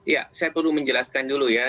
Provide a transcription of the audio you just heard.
ya saya perlu menjelaskan dulu ya